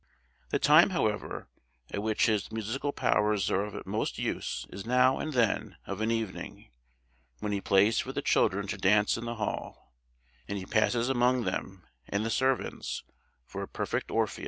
The time, however, at which his musical powers are of most use is now and then of an evening, when he plays for the children to dance in the hall, and he passes among them and the servants for a perfect Orpheus.